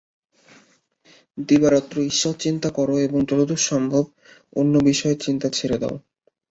দিবারাত্র ঈশ্বরচিন্তা কর এবং যতদূর সম্ভব অন্য বিষয়ের চিন্তা ছেড়ে দাও।